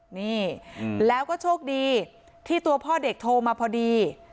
นี่แล้วก็โชคดีที่ตัวพ่อเด็กโทรมาพอดี